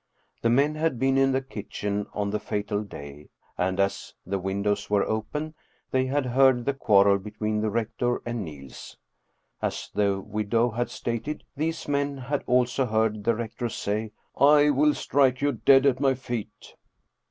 The men had been in the kitchen on the fatal day, and as the windows were open they had heard the quarrel between the rector and Niels. As the widow had stated, these men had also heard the rector say, "I will strike you dead at my feet